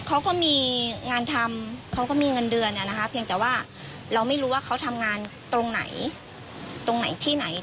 เขาก็มีงานทำเขาก็มีเงินเดือนนะคะเพียงแต่ว่าเราไม่รู้ว่าเขาทำงานตรงไหนตรงไหนที่ไหน